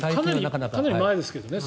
かなり前ですけどね。